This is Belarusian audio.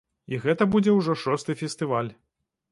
І гэта будзе ўжо шосты фестываль.